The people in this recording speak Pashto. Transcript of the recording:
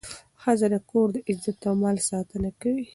ښځه د کور د عزت او مال ساتنه کوي.